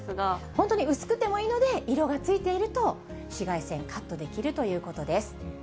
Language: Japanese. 本当に薄くてもいいので、色がついていると、紫外線、カットできるということです。